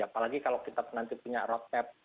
apalagi kalau kita nanti punya roadmap